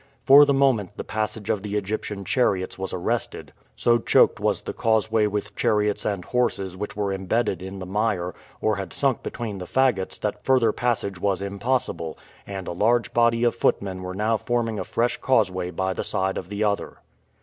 For the moment the passage of the Egyptian chariots was arrested; so choked was the causeway with chariots and horses which were imbedded in the mire, or had sunk between the fagots that further passage was impossible, and a large body of footmen were now forming a fresh causeway by the side of the other.